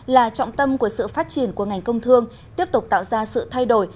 là trọng tâm của sự phát triển của ngành công thương tiếp tục tạo ra sự thay đổi